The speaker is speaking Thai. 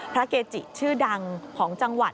เกจิชื่อดังของจังหวัด